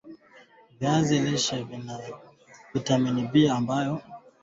viazi lishe Vina vitamini B ambayo husaidia kumbukumbu na kujenga mishipa ya fahamu